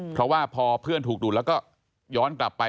เพราะว่าพอเพื่อนถูกดูดแล้วก็ย้อนกลับไป